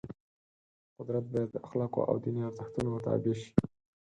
قدرت باید د اخلاقو او دیني ارزښتونو تابع شي.